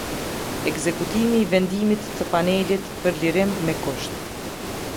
Ekzekutimi i vendimit të panelit për lirim me kusht.